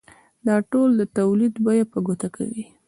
دا ټول د تولید بیه په ګوته کوي